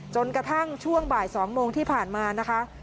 จนกระทั่งช่วงบ่าย๒โมงที่ผ่านมานะคะ